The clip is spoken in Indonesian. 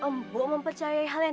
mbok mempercayai hal yang